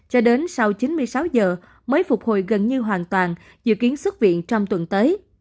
cho đến sau chín mươi sáu giờ mới phục hồi gần như hoàn toàn dự kiến xuất viện trong tuần tới